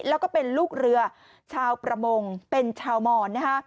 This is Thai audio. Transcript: แล้วก็เป็นลูกเรือชาวประมงเป็นชาวมอนนะฮะ